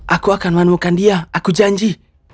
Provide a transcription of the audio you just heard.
aku akan menemukan dia aku janji